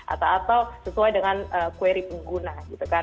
atau atau sesuai dengan query pengguna gitu kan